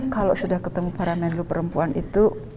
kalau sudah ketemu para men lu perempuan itu